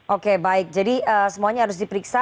oke baik jadi semuanya harus diperiksa